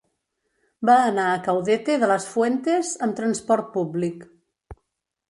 Va anar a Caudete de las Fuentes amb transport públic.